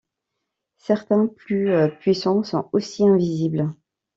Certains plus puissants sont aussi invisibles.